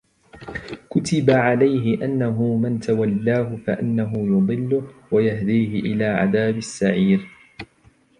كتب عليه أنه من تولاه فأنه يضله ويهديه إلى عذاب السعير